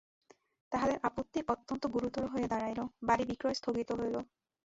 তাহাদের আপত্তি অত্যন্ত গুরুতর হইয়া দাঁড়াইল, বাড়ি বিক্রয় স্থগিত হইল।